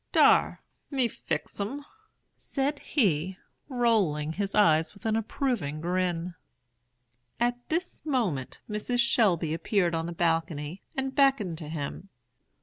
"'Dar, me fix 'em,' said he, rolling his eyes with an approving grin. "At this moment Mrs. Shelby appeared on the balcony and beckoned to him.